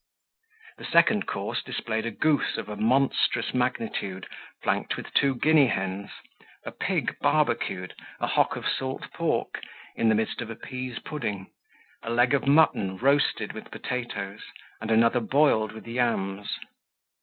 The second course displayed a goose of a monstrous magnitude, flanked with two Guinea hens, a pig barbacued, a hock of salt pork, in the midst of a pease pudding, a leg of mutton roasted, with potatoes, and another boiled, with yams.